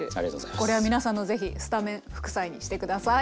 これは皆さんのぜひスタメン副菜にして下さい。